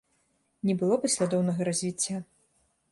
Не было паслядоўнага развіцця.